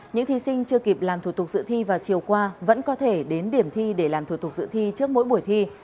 những thí sinh chưa kịp làm thủ tục dự thi vào chiều qua vẫn có thể đến điểm thi để làm thủ tục dự thi trước mỗi buổi thi